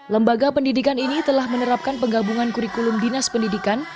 lembaga pendidikan ini telah menerapkan penggabungan kurikulum dinas pendidikan